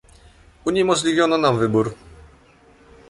Uniemożliwiono nam wybór